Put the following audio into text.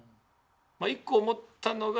まあ一個思ったのが。